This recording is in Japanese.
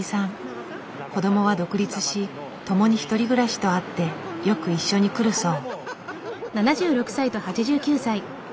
子供は独立し共に１人暮らしとあってよく一緒に来るそう。